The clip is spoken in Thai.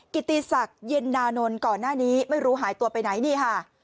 กิติศักดิ์เย็นนานนท์ก่อนหน้านี้ไม่รู้หายตัวไปไหนนี่ค่ะ